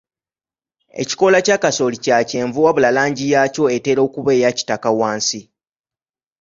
Ekikoola kya kasooli kya kyenvu wabula langi yaakyo etera okuba eya kitaka wansi.